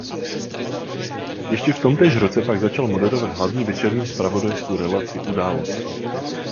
Ještě v tomtéž roce pak začal moderovat hlavní večerní zpravodajskou relaci Události.